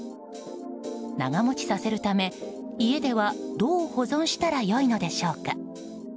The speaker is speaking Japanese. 長持ちさせるため家では、どう保存したら良いのでしょうか？